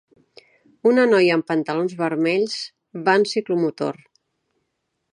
una noia amb pantalons vermells va en ciclomotor.